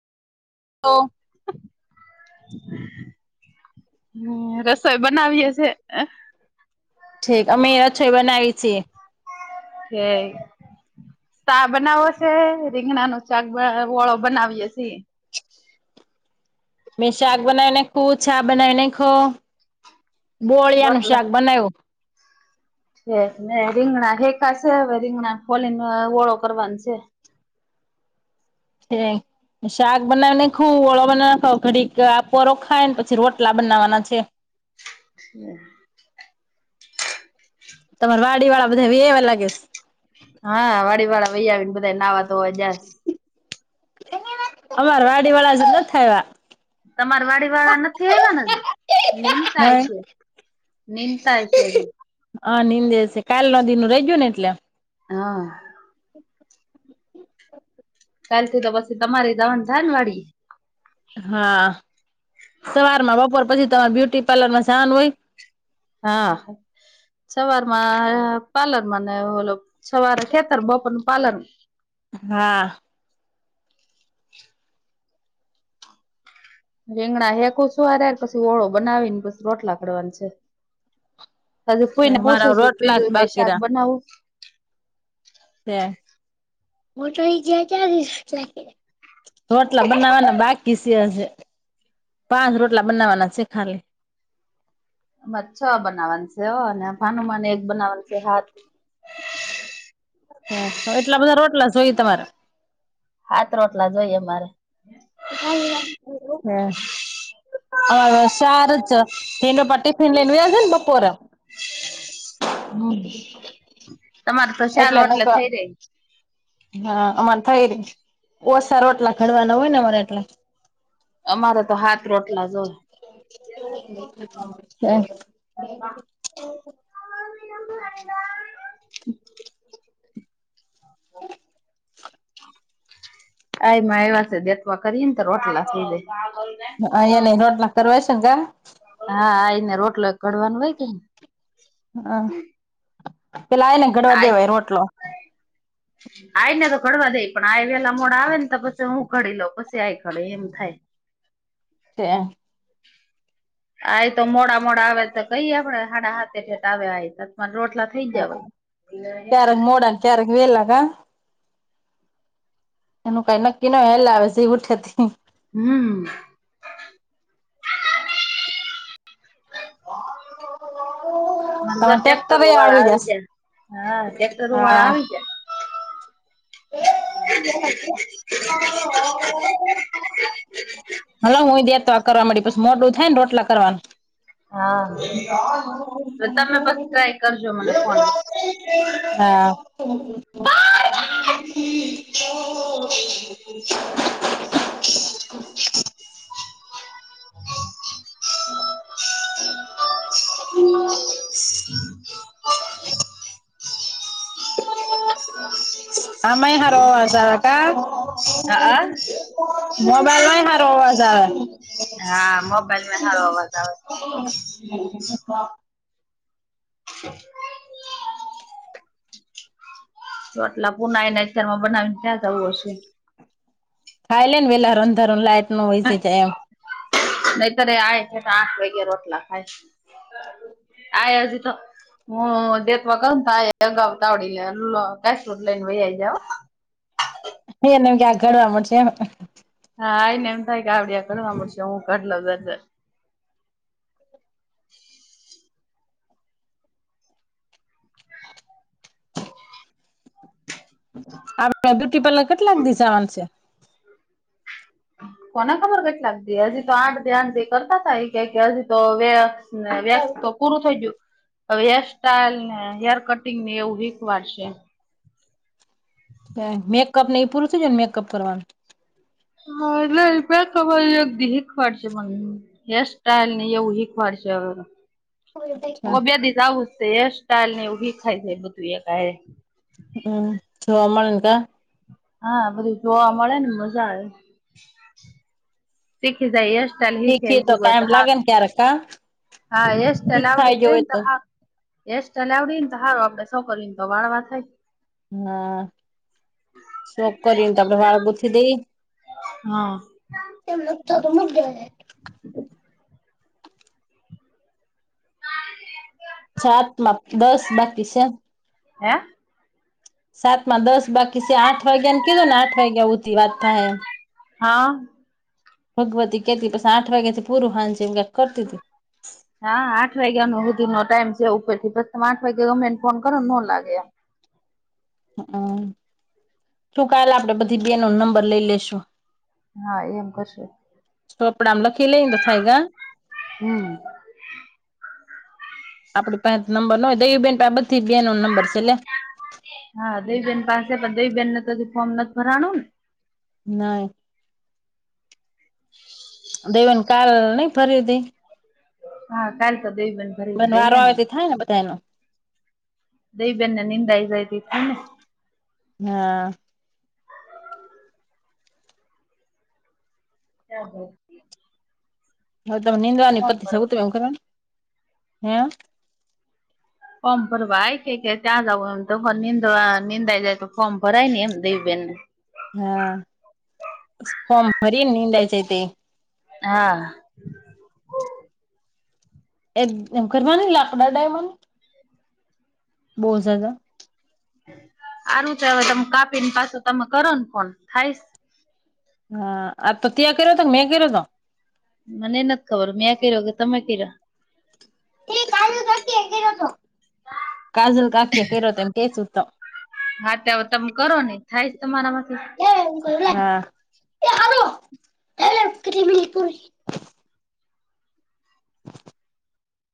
તો. હમ રસોઈ બનાવીયે છે. ઠીક. અમે રસોઈ બનાવી છીએ. ઠીક ચા બનાવો છે. રીંગણા નો સાક ઓળો બનાવીય છીએ. મેં શાક બનાવી નાખું છા બનાવી નાખો. બોળિયા નું શાક બનાવ્યું. એ રીંગણા હેકા છે. હવે રીંગણા ફોલી ને ઓળો કરવાનું છે. ઠીક શાક બનાવી નાખુ ઓળો બનાવી નાખો હવે ઘડી પોરો ખાય ને પછી, રોટલા બનાવવાના છે. [inaudible] તમાર વાડી વાળા બધા વયાવ્યા લાગેસ.? હા વાડી વાળા વૈ આવીને, બધા નાવા ધોવા ગયા સ. અમાર વાડી વાળા હજ નથી આવા. તમાર વાડી વાળા નથી આવ્યા વાના હજે નિમતાય છે. નિમતાાય હશે અજી. હા નિંદે છે. કાલલે નદી નુ રહી જું ને એટલે. હા! કાલથી તો પછી તમારે જવાન થાય ને વાડી એ.? હા! સવારમાં બપોર પછી તો અમારે બ્યુટી પાર્લર માં જવાનું હોય. હા! સવાર માં પાર્લર મા ને ઓલો. સવારે ખેતર બપોર નું પાર્લર. હા! રીંગણા હેકું છું હારવાર પછી ઓળો બનાવી ને, પછી રોટલા ઘડવાનું છે. હજ ફોઈને મારા પોસું છું. રોટલા બીજું જ કઈ શાક બાકીરા બનાવું? તૈ હું તો જ્યા કશ રોટલા બનાવવાના બાકી છે હજી. પાંચ રોટલા બનાવાના છે ખાલી. અમાર છ બનાવાનું છે ને ભાનુમા નો એક બનાવવાનું છે હાત. એટલા બધા રોટલા જોઈએ તમારે? હાત રોટલા જોઈએ અમારે. હ [unintelligible] હ શાર જ હેનો પપ્પા ટિફિન લઈને વયા જાય ને બપોરે. હમ તમાર તો સાર એટલે થઈ રહી. હા અમારે થઈ રે ઓસા રોટલા ઘડવાના હોય ને અમારે એટલા અમારે તો હાથ રોટલા જ હોય હા [unintelligible] હ [unintelligible] આમાં એવા છે ગેસમા કરી ને તો રોટલા થી દે હા એ નઈ રોટલા કરવાય છે જા હા આ આવીને રોટલો કડવાનું હોય કે ને હમ પેલા એને ઘડવા દેવાય રોટલો. આઈ ને તો ઘડવા દે પણ આ વેલા મોડ આવે ને તો પછી હું ઘડી લઉં પછી આઈ ઘડ એમ થાય. છે. [inaudible] આ તો મોડા મોડા આવે તો કઈએ આપડે હાડા હાથે ઠેટ આવે આ રોટલા થઈ જવાય. ક્યારેગ વેલા કા એનું કઈ નક્કી ન વેલા આવે જઈ ઉઠે તઈ હમ. [inaudible] મા તો ટ્રેક્ટર ટ્રેક્ટરો એ વાળા આવી જ જશે હા ટ્રેક્ટરો વાળા આવી જાય. એ [unintelligible] હલો હુંય દેતવા આ કરવા પછી મોટું થાય ને રોટલા કરવા હા તો તમે બસ ટ્રાય [inaudible] કરજો મને ફોન. હા [unintelligible] [inaudible] હમ [unintelligible] આમે મારો અવાજ આવે કા હા મોબાઈલમાં સારો અવાજ આવે. હા મોબાઈલ હારો અવાજ આવે એ [unintelligible] અ [unintelligible] તો આટલા પુના એને અત્યારમાં બનાવીને ત્યાં જવું હશે. ખાઈ લેને વેલા રણધારણ લાઈટ નો હોય છે એમ. નહી તરે આય છે તો આઠ વાગે રોટલા ખાય આય હજી તો હુ દેશમા કંપાએ તો એગ આવ આવડી લો કસપોટ લઈનમાં જાવ. હ એનેમ ક્યાંક ઘડવા મળશે એમ હા આ આવીને એમ થાય કે આવડિયા કડવા મળડશે હું કરલોજ હમ [unintelligible] આપડે બ્યુટી પાર્લર કેટલાક દિશાવાનું છે. કોને ખબર કેટ લાગતી હજી તો આઠ દ આઠ કરતા ત એ કે હજી તો વે નાવયા તો પૂરું થઈ ગયું. હવે હેરસ્ટાઈઇલ ને હેર કટિંગ ની એવું શીખવાર છે. હ [unintelligible] મેકઅપ નહિ એ પૂરું થઈ જાયને મેકઅપ કરવાનું. હા એટલે રેતો ગણ ખબર અગધી હ શીખવાડસે મને હેર સ્ટાઈલ ની એવું શીખવાડ છે હ હવે બ દિવ આવું જ હેર સ્ટાઈલ ને એવું શીખાય છે બધું એક ક હમ જોવા મળે ને કા હા બધું જોવા મળે ને મજા આવે શીખી જાય ય સેલવિ હેગી હોય તો હારું કે્યારેકા. હા એસ્ટ લાવડીિક એંત હા એસ્ટ લ આવડી ને તો સારું આપડે શો કરીને તો વાળવા થાય હા છોકરીને તો આપડે વાળ ગુથી દઈ હમ એમને થ તો મક [unintelligible] સાતમાં દસ બાકી છે હે સાત માં દસ બાકી છે આઠ વાગ્યા ને કીધો ને આઠ વાગ્યા ઉી વાત થાય એમ હા ભગવતી કેતી પછ આઠવા વાગ્યાે છે પૂરહાચ કરતી હતી હા આઠ વાગ્યા ન સુધી નો ટાઈમ છે ઉપર થી પછ તમે આઠ વાગ્યા ગમેને ફોન કરોને નો લાગે એમ હમ શું કાલે આપડે બધી બે નો નંબર લઈ લેશું હા એમ કરશું કપડા આમ લ ખી લ નઈ તો થાય ગા હમ આપડી પાસે નંબર ન હોય દયું બેન આ બધી બેનો નંબર છે એટલે હા દેવી બેેન પાસે પણ દેવી બેેનને તો ફોર્મ નથી ભરાણું ને નઈ [unintelligible] દેવેન કાલ નહી ફરીદી હા કરતો દેવી બેન બ વારો આવે તે થાય ને બધાનો દૈ બેને નિંદાય જઈ તમને હા હ હોો હવે તમે નિનીંદવાની પત્તિ ભરવા સગું તો એમ કરવા હે ફોર્મ ભરવા કે ત્યા જવ એ તો નિંદવા નિંદાય જાય તો ફોર્મ ભરય ને એમ દેવી બેનને હા ફોર્મ ભરીને નનીંદાાય છે તે હા એ એમ કરવાની લાકડા ડાયમન બોલ જદા આરું તો હવે તમે કાપી ને પાછો તમે કરો ને ફોન થાય હા આ તો ત્યાં કર્યો હતો મેં કર્યો હતો મને નથી ખબર મેં કર્યો કે તમે કર્યો કાજલ કાકી્યાકરોતે એમ કે સત હા ત તમે કરોને થાય તમારામાંથી હ એ હેલો